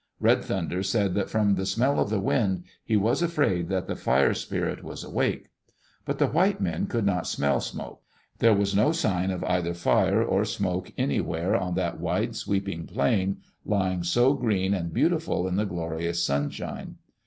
'* Red Thunder said that from the "smell of the wind" he was afraid that the Fire Spirit was awake. But the white men could not smell smoke; there was no sign of Digitized by VjOOQ LC JHE OREGON TRAIL either fire or smoke anywhere on tfiat wide sweeping plain, lying so green and beautiful in the glorious sunshine.